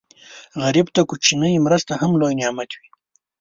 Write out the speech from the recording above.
غریب ته کوچنۍ مرسته هم لوی نعمت وي